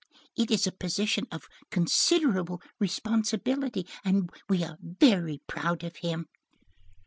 It is a position of considerable responsibility, and we are very proud of him."